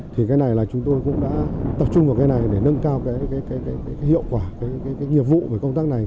thì cái này là chúng tôi cũng đã tập trung vào cái này để nâng cao hiệu quả nhiệm vụ của công tác này